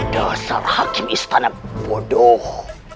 dasar hakim istana bodoh